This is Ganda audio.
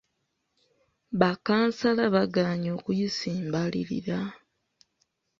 Ba kkansala baagaanye okuyisa embalirira.